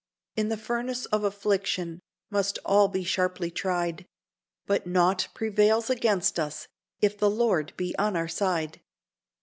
In the furnace of affliction must all be sharply tried; But nought prevails against us, if the Lord be on our side.